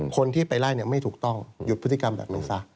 คนที่ไปไล่ไม่ถูกต้องหยุดพฤติกรรมแบบนี้ซะ